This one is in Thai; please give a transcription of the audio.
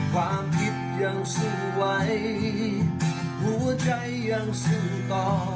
ความผิดยังซื้อไหวหัวใจยังซื้อตอ